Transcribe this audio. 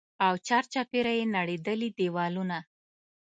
او چارچاپېره يې نړېدلي دېوالونه.